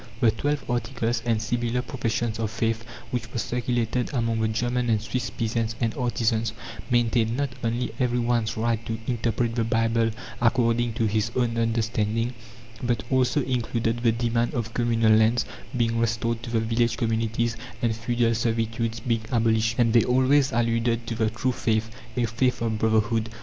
The "Twelve Articles" and similar professions of faith, which were circulated among the German and Swiss peasants and artisans, maintained not only every one's right to interpret the Bible according to his own understanding, but also included the demand of communal lands being restored to the village communities and feudal servitudes being abolished, and they always alluded to the "true" faith a faith of brotherhood.